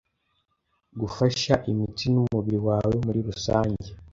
Gufasha imitsi n’umubiri wawe muri rusange